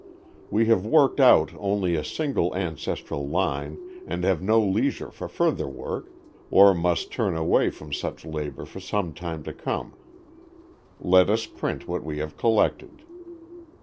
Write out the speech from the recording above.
If we have worked out only a single ancestral line, and have no leisure for further work, or must turn away from such labor for some time to come, let us print what we have collected.